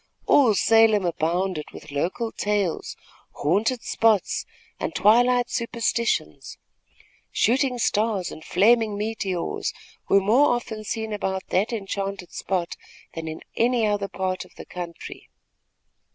All Salem abounded with local tales, haunted spots and twilight superstitions. Shooting stars and flaming meteors were more often seen about that enchanted spot, than in any other part of the country.